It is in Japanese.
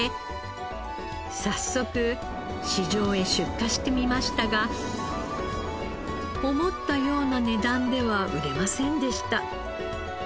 早速市場へ出荷してみましたが思ったような値段では売れませんでした。